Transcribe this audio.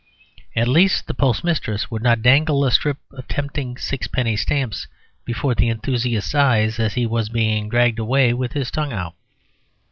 At least, the postmistress would not dangle a strip of tempting sixpenny stamps before the enthusiast's eyes as he was being dragged away with his tongue out.